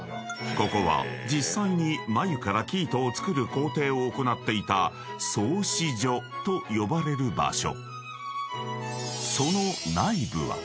［ここは実際に繭から生糸を作る工程を行っていた繰糸所と呼ばれる場所］